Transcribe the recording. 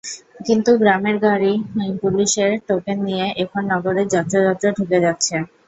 কিন্তু গ্রামের গাড়ি পুলিশের টোকেন নিয়ে এখন নগরের যত্রতত্র ঢুকে যাচ্ছে।